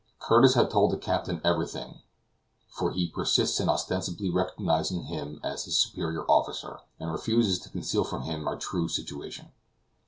Curtis has told the captain everything; for he persists in ostensibly recognizing him as his superior officer, and refuses to conceal from him our true situation.